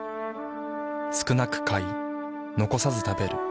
少なく買い残さず食べる。